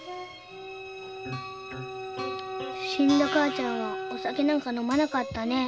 死んだ母ちゃんはお酒なんか飲まなかったね。